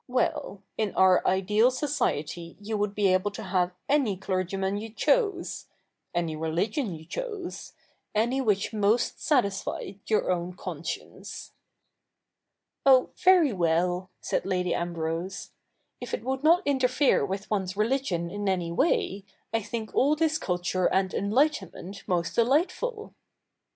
^Vell, in our ideal society you would be able to have any clergyman you chose — any religion you chose — any which most satisfied your own conscience.' ' Oh, very well,' said Lady Ambrose, ' if it would not interfere with one's religion in any way, I think all this culture and enlightenment most delightful."